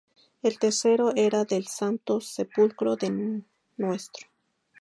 El tercero era el del Santo Sepulcro de Ntro.